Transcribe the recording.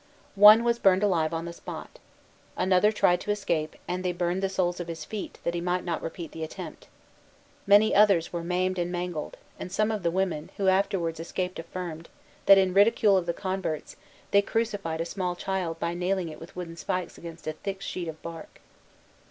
One was burned alive on the spot. Another tried to escape, and they burned the soles of his feet that he might not repeat the attempt. Many others were maimed and mangled; and some of the women who afterwards escaped affirmed, that, in ridicule of the converts, they crucified a small child by nailing it with wooden spikes against a thick sheet of bark.